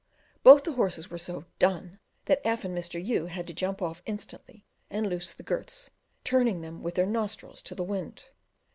Both the horses were so done that F and Mr. U had to jump off instantly and loose the girths, turning them with their nostrils to the wind.